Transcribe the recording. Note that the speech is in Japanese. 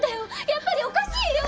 やっぱりおかしいよ！